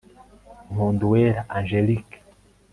nkunduwera angélique